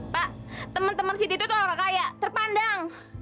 pak temen temen siti tuh orang kaya terpandang